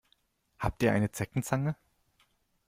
Habt ihr eine Zeckenzange?